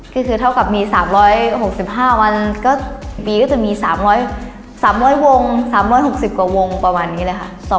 ก็คือเท่ากับมี๓๖๕วันก็ปีก็จะมี๓๐๐วง๓๖๐กว่าวงประมาณนี้เลยค่ะ